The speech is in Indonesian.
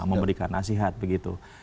memberikan nasihat begitu